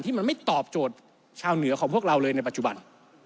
มันไม่ตอบโจทย์ชาวเหนือของพวกเราเลยในปัจจุบัน